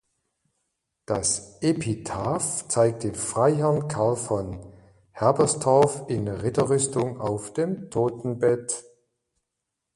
Das Epitaph zeigt den Freiherrn Carl von Herberstorff in Ritterrüstung auf dem Totenbett.